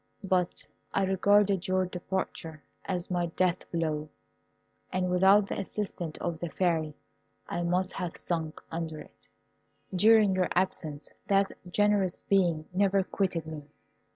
But I regarded your departure as my death blow, and without the assistance of the Fairy I must have sunk under it. During your absence that generous being never quitted me.